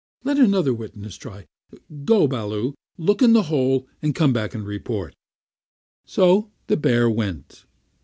Let another witness try. Go, Baloo, look in the hole, and come and report." So the bear went.